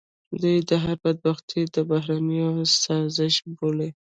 دوی هر بدبختي د بهرنیو سازش بولي.